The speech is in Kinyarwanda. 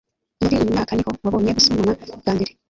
muri uyu mwaka niho wabonye gusomana bwa mbere.